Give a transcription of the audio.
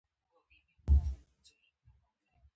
شپاړسم لوست د کابل بالا حصار په اړه دی.